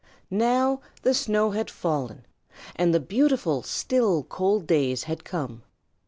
Now the snow had fallen and the beautiful still cold days had come.